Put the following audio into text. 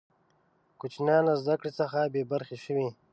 کوچنیان له زده کړي څخه بې برخې شوې.